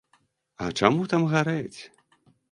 А чаму там гарэць?